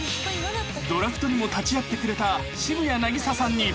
［ドラフトにも立ち会ってくれた渋谷凪咲さんに］